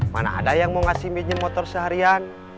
mana ada yang mau ngasih meja motor seharian